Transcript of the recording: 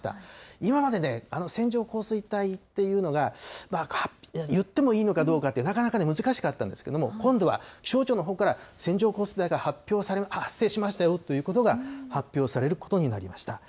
今までね、線状降水帯っていうのが、言ってもいいのかどうかって、なかなか難しかったんですけれども、今度は気象庁のほうから線状降水帯が発生しましたよということが発表されることになりました。